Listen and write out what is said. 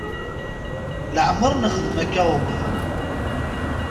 Leɛmeṛ nexdem akka uqbel.